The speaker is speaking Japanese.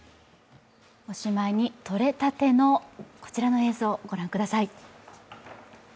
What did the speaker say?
おしまいに、撮れたてのこちらの映像、ご覧ください。